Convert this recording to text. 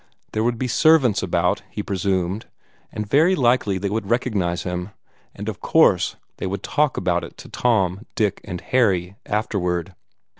There would be servants about, he presumed, and very likely they would recognize him, and of course they would talk about it to Tom, Dick and Harry afterward.